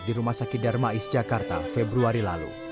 di rumah sakit darmais jakarta februari lalu